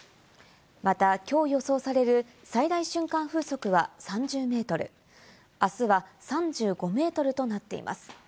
またきょう予想される最大瞬間風速は３０メートル、あすは３５メートルとなっています。